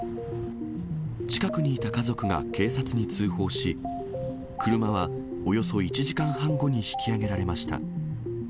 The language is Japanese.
近くにいた家族が警察に通報し、車はおよそ１時間半後に引き上げられました。